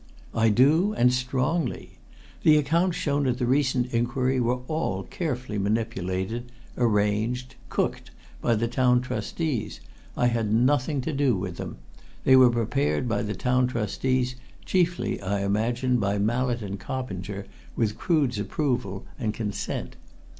"I do and strongly! The accounts shown at the recent inquiry were all carefully manipulated, arranged, cooked by the Town Trustees. I had nothing to do with them. They were prepared by the Town Trustees, chiefly, I imagine, by Mallett and Coppinger, with Crood's approval and consent.